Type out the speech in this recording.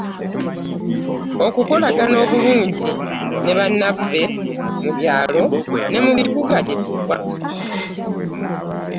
Okukolagana obulungi ne bannaffe mu byalo ne mu bibuga gye tuva.